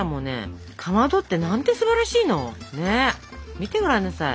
見てごらんなさい。